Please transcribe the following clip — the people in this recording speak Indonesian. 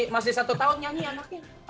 masih satu tahun nyanyi anaknya